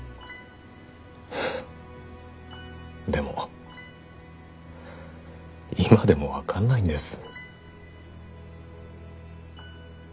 でも今でも分かんないんです。